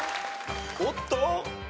おっと！